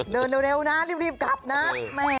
เดินเร็วนะรีบกลับนะ